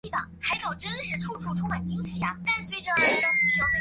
喜欢干燥环境。